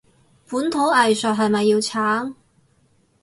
本土藝術係咪要撐？